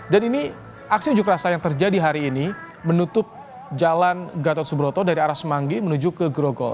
dan ini aksi ujuk rasa yang terjadi hari ini menutup jalan gata subroto dari arah semanggi menuju ke gerogol